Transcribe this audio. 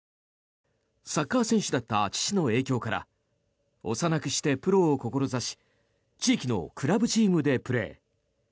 サッカー選手だった父の影響から幼くしてプロを志し地域のクラブチームでプレー。